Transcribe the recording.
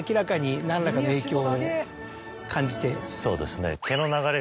そうですね。